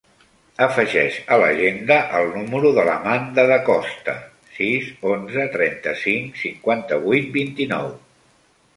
Afegeix a l'agenda el número de l'Amanda Da Costa: sis, onze, trenta-cinc, cinquanta-vuit, vint-i-nou.